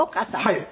はい。